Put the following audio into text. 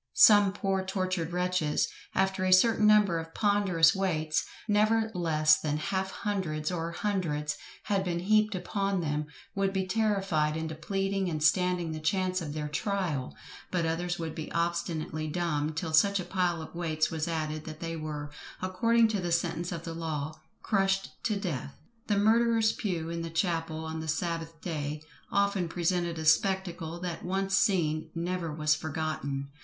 Some poor tortured wretches, after a certain number of ponderous weights, never less than half hundreds or hundreds, had been heaped upon them, would be terrified into pleading and standing the chance of their trial; but others would be obstinately dumb till such a pile of weights was added, that they were, according to the sentence of the law, crushed to death! The murderer's pew in the chapel, on the sabbath day, often presented a spectacle, that once seen, never was forgotten.